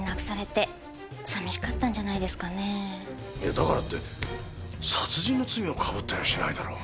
だからって殺人の罪を被ったりはしないだろう。